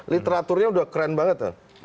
literaturnya udah keren banget